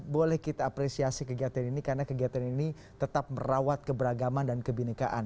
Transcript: boleh kita apresiasi kegiatan ini karena kegiatan ini tetap merawat keberagaman dan kebenekaan